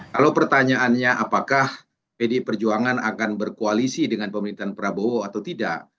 kalau pertanyaannya apakah pdi perjuangan akan berkoalisi dengan pemerintahan prabowo atau tidak